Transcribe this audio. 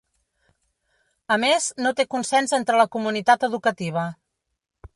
A més, no té consens entre la comunitat educativa.